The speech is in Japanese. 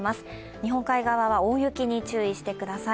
日本海側は大雪に注意してください。